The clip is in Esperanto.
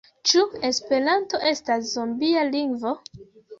Ĉu Esperanto estas zombia lingvo?